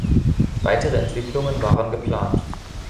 Weitere Entwicklungen waren geplant.